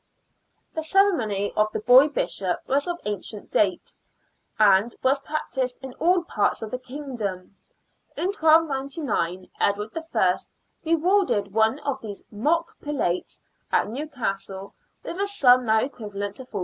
The ceremony of the boy bishop was of ancient date, and was practised in all parts of the kingdom. In 1299 Edward I. rewarded one of these mock prelates at New castle with a sum now equivalent to £40.